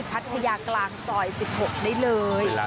พัทยากลางซอย๑๖ได้เลย